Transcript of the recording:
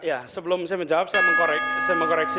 ya sebelum saya menjawab saya mengkoreksi